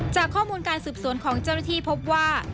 จากการสืบสวนของเจ้าหน้าที่พบว่า